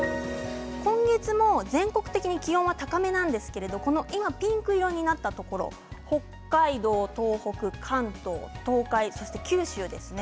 今月も全国的に気温が高めなんですけどもピンク色になっているところ北海道、東北、関東東海、九州ですね。